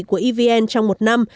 của evn trong một năm